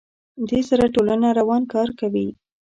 دې سره ټولنه روان کار کوي.